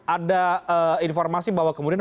ada informasi bahwa kemudian